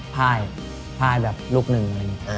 พ่ายแบบลูกหนึ่งเลย